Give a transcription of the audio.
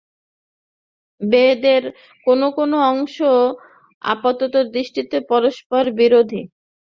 বেদের কোন কোন অংশ আপাত-দৃষ্টিতে পরস্পর-বিরোধী।